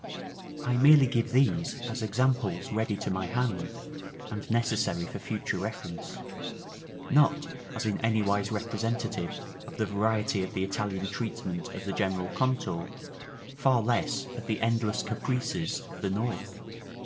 § XVIII. I merely give these as examples ready to my hand, and necessary for future reference; not as in anywise representative of the variety of the Italian treatment of the general contour, far less of the endless caprices of the North.